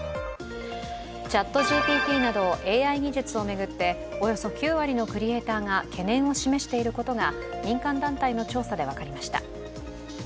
ＣｈａｔＧＰＴなど、ＡＩ技術を巡っておよそ９割のクリエーターが懸念を示していることが民間団体の調査で分かりました。